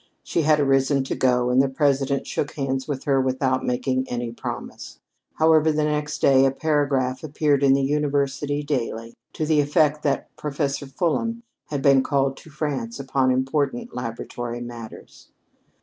She had arisen to go and the President shook hands with her without making any promise. However the next day a paragraph appeared in the University Daily to the effect that Professor Fulham had been called to France upon important laboratory matters.